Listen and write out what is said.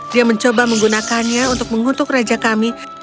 dia mencoba menggunakannya untuk mengutuk raja kami